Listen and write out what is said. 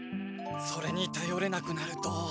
それにたよれなくなると。